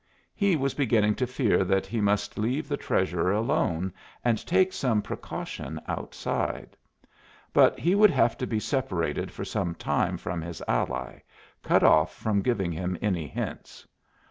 He was beginning to fear that he must leave the Treasurer alone and take some precautions outside. But he would have to be separated for some time from his ally, cut off from giving him any hints.